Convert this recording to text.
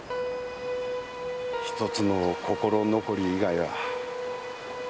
一つの心残り以外は。